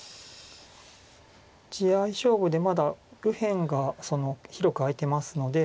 地合い勝負でまだ右辺が広く空いてますので。